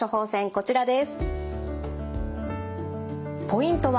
こちらです。